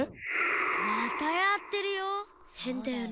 またやってるよ。